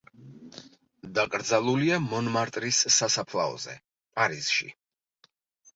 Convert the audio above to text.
დაკრძალულია მონმარტრის სასაფლაოზე, პარიზში.